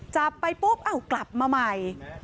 จับไปปุ๊บเอากลับมาใหม่